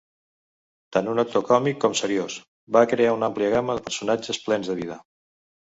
Tant un actor còmic com seriós, va crear una àmplia gamma de personatges plens de vida.